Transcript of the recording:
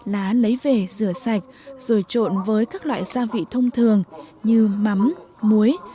lá lấy về rửa sạch rồi trộn với các loại gia vị thông thường như mắm muối